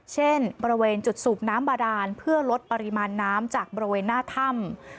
เช่นบริเวณจุดสูบน้ำบาดานเพื่อลดปริมาณน้ำจากบริเวณหน้าถ้ำ